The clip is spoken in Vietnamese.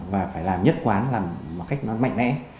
và phải làm nhất quán làm một cách nó mạnh mẽ